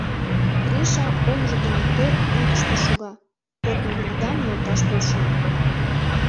Гриша оҥжо дене тӧр вӱдыштӧ шога, тодмо мурдам нӧлташ полша.